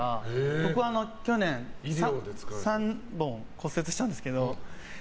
僕、去年３本骨折したんですけど。